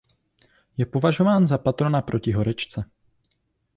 Je považován za patrona proti horečce.